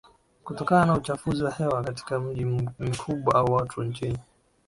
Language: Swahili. kutokana na uchafuzi wa hewa katika miji mikubwa au watu nchin